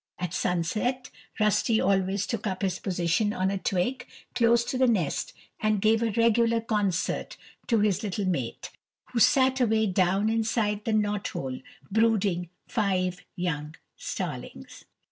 At sunset Rusty always took up his position on a twig close to the nest and gave a regular concert to his little mate, who sat away down inside the knot hole brooding five young starlings.